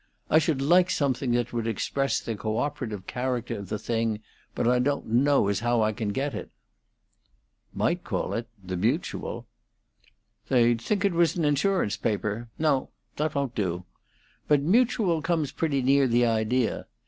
I should like something that would express the co operative character of the thing, but I don't know as I can get it." "Might call it 'The Mutual'." "They'd think it was an insurance paper. No, that won't do. But Mutual comes pretty near the idea.